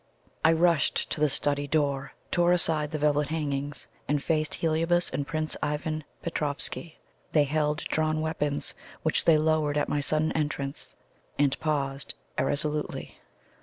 I rushed to the study door, tore aside the velvet hangings, and faced Heliobas and Prince Ivan Petroffsky. They held drawn weapons, which they lowered at my sudden entrance, and paused irresolutely.